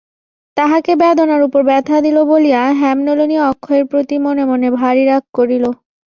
তাহাকে বেদনার উপর ব্যথা দিল বলিয়া হেমনলিনী অক্ষয়ের প্রতি মনে মনে ভারি রাগ করিল।